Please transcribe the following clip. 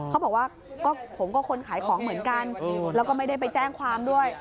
เขาบอกว่าก็ผมก็คนขายของเหมือนกันแล้วก็ไม่ได้ไปแจ้งความด้วย